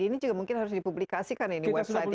ini juga mungkin harus dipublikasikan ini website ini